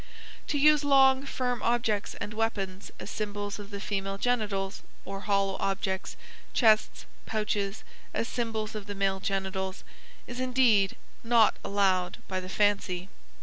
To use long, firm objects and weapons as symbols of the female genitals, or hollow objects (chests, pouches, &c.), as symbols of the male genitals, is indeed not allowed by the fancy.